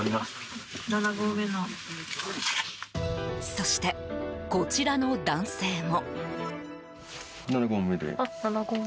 そして、こちらの男性も。